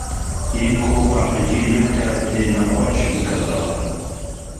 Yên ku paqijiyê neke, dê nexweş bikeve.